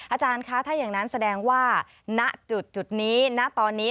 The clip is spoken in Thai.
อาจารย์คะถ้าอย่างนั้นแสดงว่าณจุดนี้ณตอนนี้